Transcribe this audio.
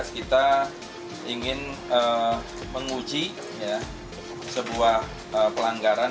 kita ingin menguji sebuah pelanggaran